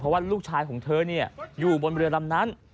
ว่าลูกชายของเธออยู่บนเรือลำนั้น